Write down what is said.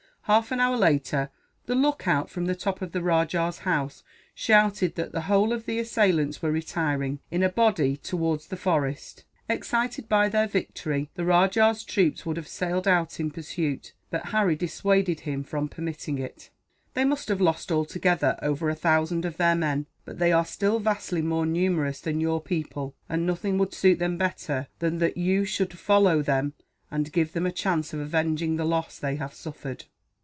Half an hour later, the lookout from the top of the rajah's house shouted that the whole of the assailants were retiring, in a body, towards the forest. Excited by their victory, the rajah's troops would have sallied out in pursuit; but Harry dissuaded him from permitting it. "They must have lost, altogether, over a thousand of their men; but they are still vastly more numerous than your people, and nothing would suit them better than that you should follow them, and give them a chance of avenging the loss they have suffered."